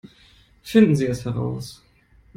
Finden Sie es heraus!